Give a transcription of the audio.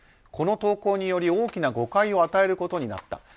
この投稿により大きな誤解を与えることになった。